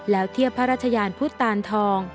แล้วเทียบพระราชยานพุทธตานทอง